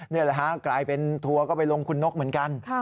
นี่แหละฮะกลายเป็นทัวร์ก็ไปลงคุณนกเหมือนกัน